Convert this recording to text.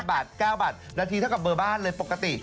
บาท๙บาทนาทีเท่ากับเบอร์บ้านเลยปกติ